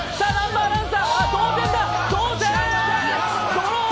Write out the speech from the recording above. ドロー！